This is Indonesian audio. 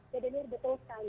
jadi ini betul sekali